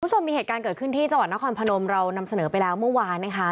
คุณผู้ชมมีเหตุการณ์เกิดขึ้นที่จังหวัดนครพนมเรานำเสนอไปแล้วเมื่อวานนะคะ